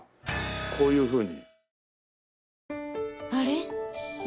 こういうふうに。